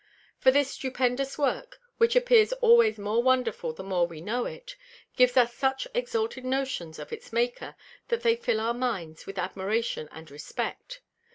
For this stupendous Work, which appears always more wonderful the more we know it, gives us such exalted Notions of its Maker, that they fill our Minds with Admiration and Respect.